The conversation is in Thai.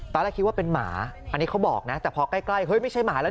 ตอนแรกคิดว่าเป็นหมาอันนี้เขาบอกนะแต่พอใกล้เฮ้ยไม่ใช่หมาแล้ว